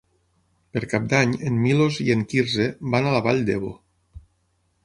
Per Cap d'Any en Milos i en Quirze van a la Vall d'Ebo.